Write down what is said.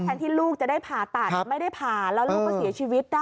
ที่ลูกจะได้ผ่าตัดไม่ได้ผ่าแล้วลูกก็เสียชีวิตได้